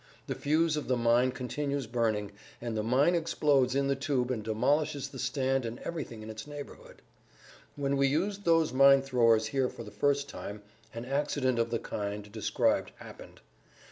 The fuse of the mine continues burning, and the mine explodes in the tube and demolishes the stand and everything in its neighborhood. When we used those mine throwers here for the first time an accident of the kind described happened.